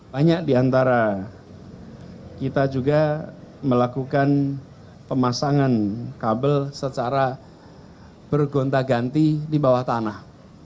banyak di antara kita juga melakukan pemasangan kabel secara bergonta ganti di bawah tanah